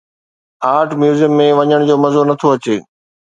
art museum ۾ وڃڻ جو مزو نٿو اچي